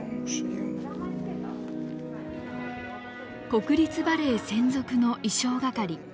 国立バレエ専属の衣装係。